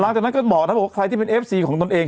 หลังจากนั้นก็บอกนะบอกว่าใครที่เป็นเอฟซีของตนเอง